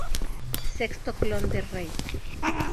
Sexto clon de Rei.